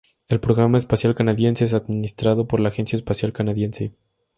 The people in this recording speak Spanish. El programa espacial canadiense es administrado por la Agencia Espacial Canadiense.